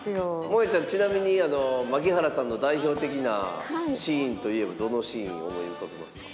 もえちゃんちなみに槙原さんの代表的なシーンといえばどのシーンを思い浮かべますか？